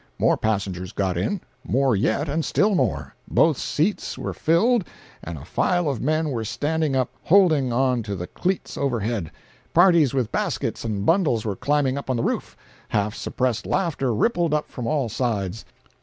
More passengers got in; more yet, and still more. Both seats were filled, and a file of men were standing up, holding on to the cleats overhead. Parties with baskets and bundles were climbing up on the roof. Half suppressed laughter rippled up from all sides.